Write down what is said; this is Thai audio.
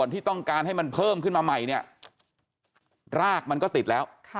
ที่ต้องการให้มันเพิ่มขึ้นมาใหม่เนี่ยรากมันก็ติดแล้ว